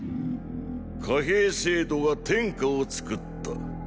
“貨幣制度”が“天下”を作った。